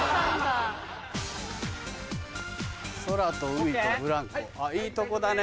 空と海とブランコいいとこだね。